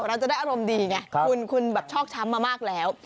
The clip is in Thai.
เราจะได้อารมณ์ดีไงคุณแบบชอกช้ำมามากแล้ว